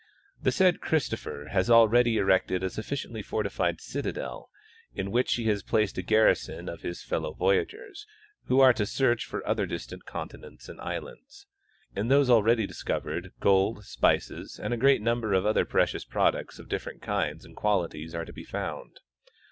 The said Christopher has already erected a sufficiently fortified citadel, in which he has placed a garrison of his fellow voyagers, who are to search for other distant continents and islands. In those already discovered gold, spices and a great number of other precious products of different kinds and qualities are to be found.